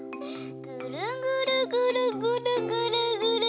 ぐるぐるぐるぐるぐるぐるぐるぐる。